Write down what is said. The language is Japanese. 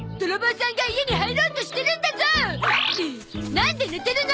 なんで寝てるの！